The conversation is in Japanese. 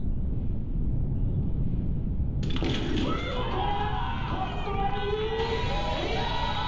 これは今度は右！